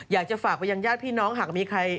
อยากจะฝากไปยังญาติพี่น้องหากมีใคร